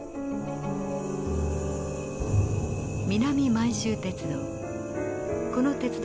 南満州鉄道。